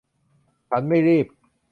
ฉันไม่รีบ